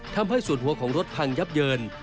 ทำให้ส่วนหัวของรถพังยับเยิน